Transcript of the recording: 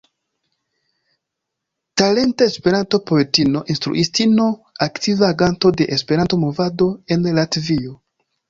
Talenta Esperanto-poetino, instruistino, aktiva aganto de Esperanto-movado en Latvio.